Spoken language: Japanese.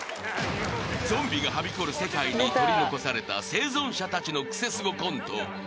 ［ゾンビがはびこる世界に取り残された生存者たちのクセスゴコント］